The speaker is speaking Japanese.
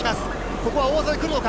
ここは大技来るのか。